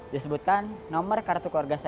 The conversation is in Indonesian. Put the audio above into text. di sebutan nomor kartu keluarga saya